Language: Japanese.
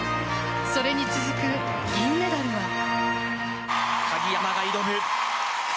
それに続く銀メダルは。